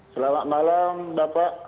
selamat malam bapak